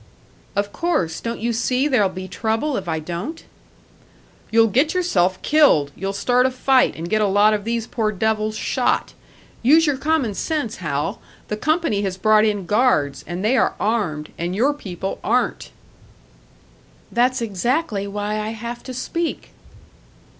"Of course. Don't you see there'll be trouble if I don't?" "You'll get yourself killed! You'll start a fight, and get a lot of these poor devils shot! Use your common sense, Hal; the company has brought in guards, and they are armed, and your people aren't." "That's exactly why I have to speak!"